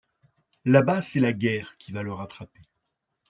La-bas, c'est la guerre qui va le rattraper.